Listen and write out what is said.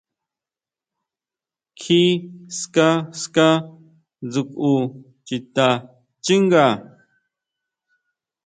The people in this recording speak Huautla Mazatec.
Kjí ska, ska dsjukʼu chita xchínga.